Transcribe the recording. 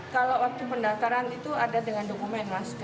kalau waktu pendaftaran itu ada dengan dokumen mas